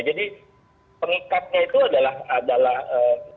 jadi pengikatnya itu adalah sesuatu yang sangat pragmatis gitu